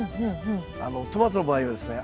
トマトの場合はですね